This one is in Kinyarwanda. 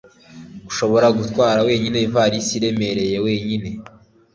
Urashobora gutwara wenyine ivarisi iremereye wenyine